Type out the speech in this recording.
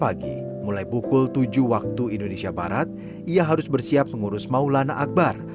pagi mulai pukul tujuh waktu indonesia barat ia harus bersiap mengurus maulana akbar